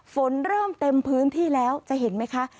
ฝนเริ่มเต็มพื้นที่แล้วจะเห็นไหมคะ